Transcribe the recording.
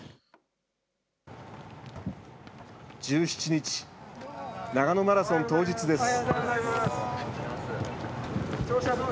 １７日、長野マラソン当日です。